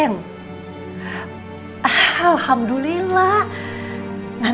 masalah mata aku itu where mijo izvon